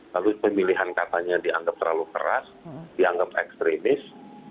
lalu pemilihan katanya dianggap terlalu keras dianggap ekstremis